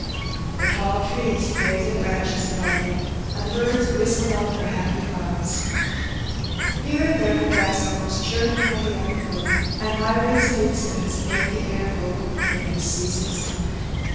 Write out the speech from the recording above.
The tall trees wave their branches above them, and the birds whistle out their happy hearts. Here In the Woods. 103 and there the grasshoppers chirp among the undergrowth^ and myriads of insects make the air vocal with their cease less hum.